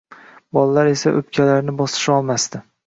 Bolalar esa o`pkalarini bosisholmasdi